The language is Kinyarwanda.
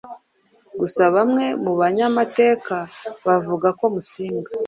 Gusa bamwe mu banyamateka bavuga ko Musinga